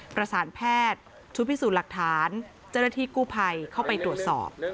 ประสานแพทย์ชุดพิสูจน์หลักฐานเจ้าหน้าที่กู้ภัยเข้าไปตรวจสอบ